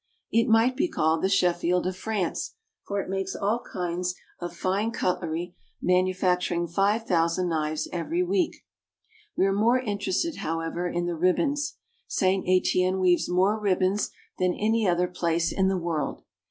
It might be called the Sheffield of France, for it makes all kinds of fine cutlery, manufac turing five thousand knives every week. We are more interested, however, in the ribbons. St. Etienne weaves more ribbons than any other place in the world.